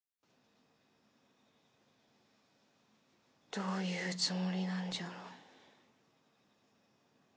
どういうつもりなんじゃろ？